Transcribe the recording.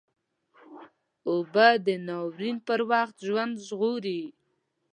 اوبه د ناورین پر وخت ژوند ژغوري